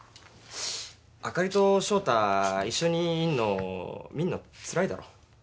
あかりと翔太一緒にいんの見んのつらいだろ？